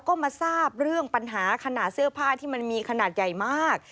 ก็มาทราบเรื่องปัญหาขนาดเสื้อผ้าที่มันมีขนาดใหญ่มาก